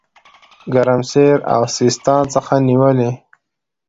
ګرمسېر او سیستان څخه نیولې.